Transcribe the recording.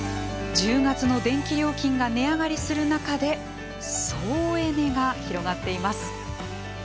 １０月の電気料金が値上がりする中で創エネが広がっています。